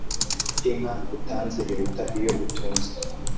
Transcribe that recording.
inka utanze iruta iyo utunze